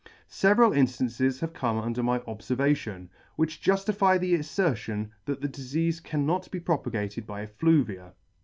Several inftances # have come under my obfervation, which juftify the aflertion that the difeafe cannot [ 59 ] cannot be propagated by effluvia.